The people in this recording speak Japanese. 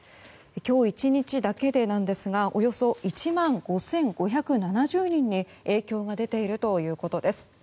今日１日だけでなんですがおよそ１万５５７０人に影響が出ているということです。